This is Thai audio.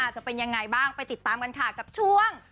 จะเป็นยังไงบ้างไปติดตามกันค่ะกับช่วง